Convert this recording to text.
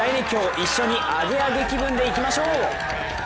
一緒にアゲアゲ気分でいきましょう！